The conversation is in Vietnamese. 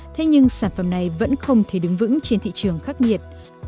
thế nhưng sản phẩm này vẫn không thể đứng vững trên thị trường khắc nghiệt